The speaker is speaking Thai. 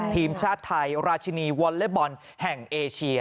ทีมชาติไทยราชินีวอลเล็ตบอลแห่งเอเชีย